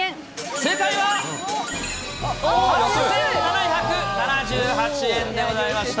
正解は、８７７８円でございました。